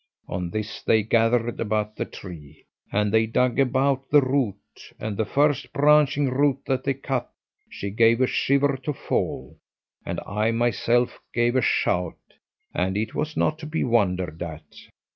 On this they gathered about the tree, and they dug about the root, and the first branching root that they cut, she gave a shiver to fall, and I myself gave a shout, and it was not to be wondered at.